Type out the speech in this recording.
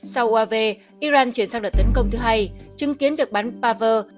sau uav iran chuyển sang đợt tấn công thứ hai chứng kiến việc bắn paver